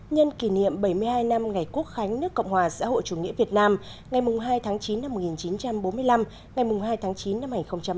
nhân kỷ niệm bảy mươi hai năm ngày quốc khánh nước cộng hòa xã hội chủ nghĩa việt nam ngày hai tháng chín năm một nghìn chín trăm bốn mươi năm ngày hai tháng chín năm hai nghìn một mươi chín